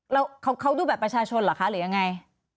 แล้วเขาดูบัตรประชาชนเหรอคะหรือยังไง